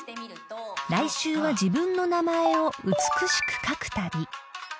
［来週は自分の名前を美しく書く旅］